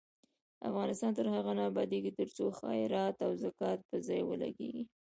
افغانستان تر هغو نه ابادیږي، ترڅو خیرات او زکات په ځای ولګیږي.